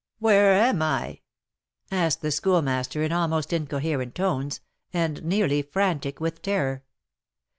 where am I?" asked the Schoolmaster, in almost incoherent tones, and nearly frantic with terror.